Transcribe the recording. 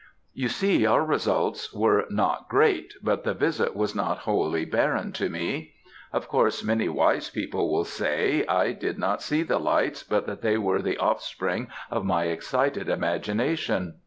"You see our results were not great, but the visit was not wholly barren to me. Of course, many wise people will say, I did not see the lights, but that they were the offspring of my excited imagination.